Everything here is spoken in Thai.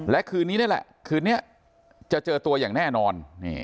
และคืนนี้นี่แหละคืนนี้จะเจอตัวอย่างแน่นอน